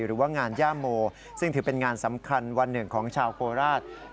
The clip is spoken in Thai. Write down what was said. หรือว่างานย่าโมซึ่งถือเป็นงานสำคัญวันหนึ่งของชาวโคราช